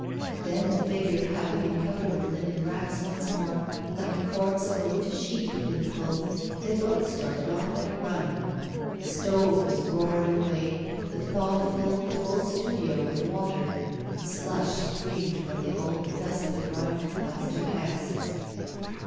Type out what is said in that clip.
Then, the figure having been covered with linen wraps once more, like a corpse over which a sheet has been pulled, they both started off at a run. The stove was roaring away, the thaw filled the whole studio with water, and slush streamed from the old dust begrimed plaster casts.